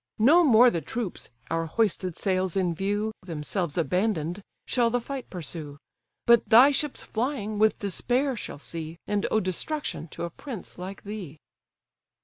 No more the troops (our hoisted sails in view, Themselves abandon'd) shall the fight pursue; But thy ships flying, with despair shall see; And owe destruction to a prince like thee."